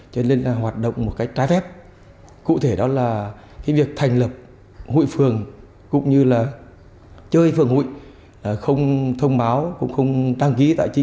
cho nên là hoạt động một cách trái phép cụ thể đó là cái việc thành lập hụi phường cũng như là chơi